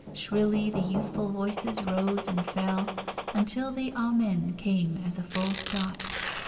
Shrilly the youthful voices rose and fell, until the amen came as a full stop.